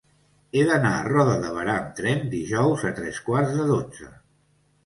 He d'anar a Roda de Berà amb tren dijous a tres quarts de dotze.